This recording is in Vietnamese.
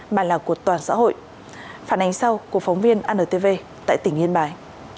mà là của toàn xã hội phản ánh sau của phóng viên antv tại tỉnh yên bái